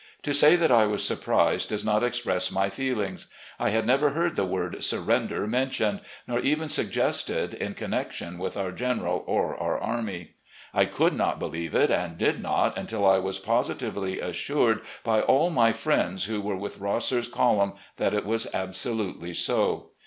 To say that I was surprised does not express my feelings. I had never heard the word "surrender" mentioned, nor even sug gested, in connection with our general or our army. I could not believe it, and did not until I was positively assured by all my friends who were with Rosser's column that it was absolutely so.